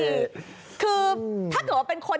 คือถ้าเกิดว่าเป็นคน